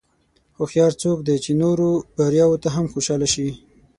هوښیار څوک دی چې د نورو بریا ته هم خوشاله شي.